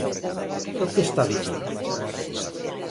¿Pero que está dicindo?